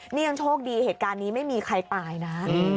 นี่ยังโชคดีเหตุการณ์นี้ไม่มีใครตายนะ